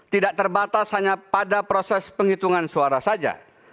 tidak terbatas hanya pada proses penghitungan suara saja